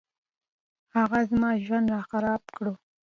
هغه زما ژوند راخراب کړو